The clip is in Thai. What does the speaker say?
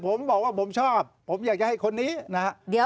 ผมบอกว่าผมชอบผมอยากจะให้คนนี้นะฮะ